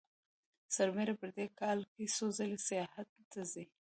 سربېره پر دې په کال کې څو ځلې سیاحت ته ځي